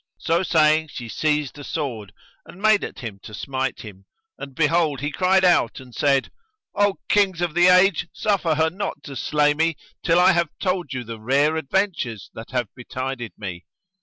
So saying she seized a sword and made at him to smite him; and behold, he cried out and said, "O Kings of the Age, suffer her not to slay me, till I shall have told you the rare adventures that have betided me."